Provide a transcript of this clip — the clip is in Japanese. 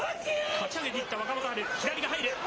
かち上げていった、若元春、左が入る。